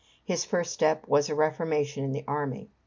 His first step was a reformation in the army.